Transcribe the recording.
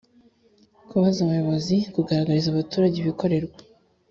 kubaza abayobozi kugaragariza abaturage ibibakorerwa